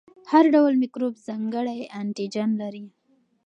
هر ډول میکروب ځانګړی انټيجن لري.